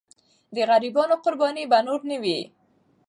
د غریبانو قرباني به نور نه وي.